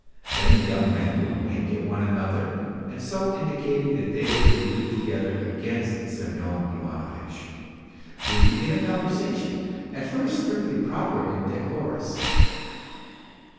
Then the young men would wink at one another, and so indicating that they were in league together against Semyon Ivanovitch, would begin a conversation, at first strictly proper and decorous.